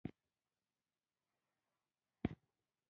مینګ کورنۍ په شپاړس سوه څلوېښت کاله کې را و پرځول شوه.